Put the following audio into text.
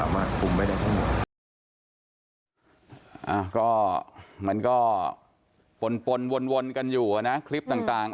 มันก็ผลวนกันอยู่นะคลิปต่าง